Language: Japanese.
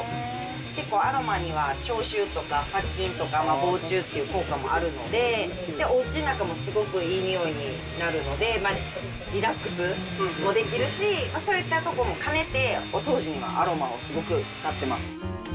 結構アロマには消臭とか殺菌とか防虫とかっていう効果があるので、おうちの中もすごく、いいにおいになるので、リラックスもできるし、そういったことも兼ねて、お掃除にはアロマをすごく使ってます。